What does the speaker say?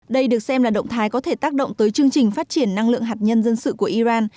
đây được xem là động thái có thể tác động tới chương trình phát triển năng lượng hạt nhân dân sự của iran